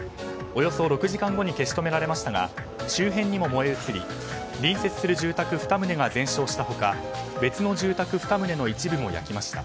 およそ６時間後に消し止められましたが周辺にも燃え移り隣接する住宅２棟が全焼した他別の住宅２棟の一部も焼きました。